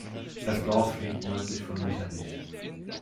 Das Dorf liegt nördlich von Mechernich.